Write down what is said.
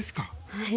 はい。